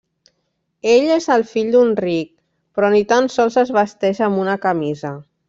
Ell és el fill d'un ric, però ni tan sols es vesteix amb una camisa.